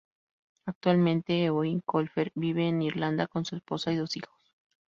Actualmente, Eoin Colfer vive en Irlanda con su esposa y dos hijos.